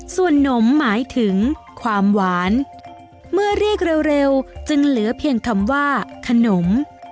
ส่วนนมหมายถึงความหวานเมื่อเรียกเร็วจึงเหลือเพียงคำว่าขนม